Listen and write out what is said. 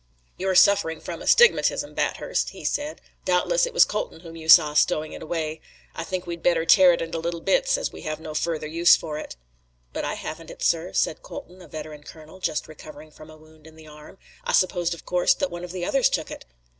"You're suffering from astigmatism, Bathurst," he said. "Doubtless it was Colton whom you saw stowing it away. I think we'd better tear it into little bits as we have no further use for it." "But I haven't it, sir," said Colton, a veteran colonel, just recovering from a wound in the arm. "I supposed of course that one of the others took it."